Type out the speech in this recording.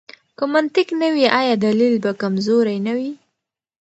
که منطق نه وي، آیا دلیل به کمزوری نه وي؟